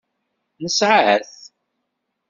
Nesɛa-t.